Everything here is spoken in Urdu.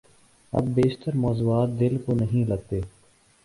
اب بیشتر موضوعات دل کو نہیں لگتے۔